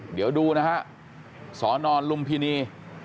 เดี๋ยวดูนะฮะสนลุมพินี